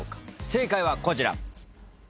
正解はこちら。